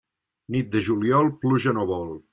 Nit de juliol pluja no vol.